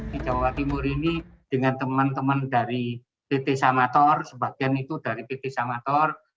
di jawa timur ini dengan teman teman dari pt samator sebagian itu dari pt samator